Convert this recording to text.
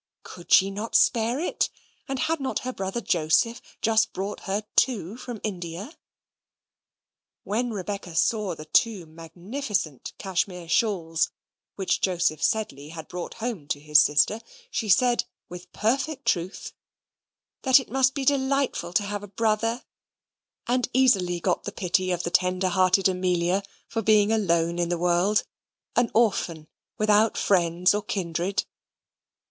Could she not spare it? and had not her brother Joseph just brought her two from India? When Rebecca saw the two magnificent Cashmere shawls which Joseph Sedley had brought home to his sister, she said, with perfect truth, "that it must be delightful to have a brother," and easily got the pity of the tender hearted Amelia for being alone in the world, an orphan without friends or kindred.